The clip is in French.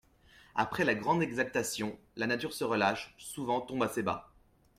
Après la grande exaltation, la nature se relâche, souvent tombe assez bas.